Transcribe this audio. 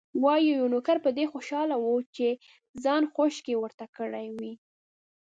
وايي، یو نوکر په دې خوشاله و چې خان خوشکې ورته کړې وې.